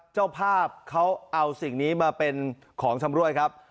เจ้าภาพเขาเอาสิ่งนี้มาเป็นของชำรวยครับ